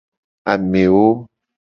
Amewo.